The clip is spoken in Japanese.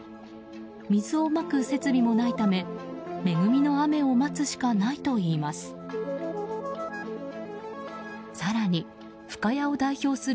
水をまく設備もないため恵みの雨を待つしかないといいます。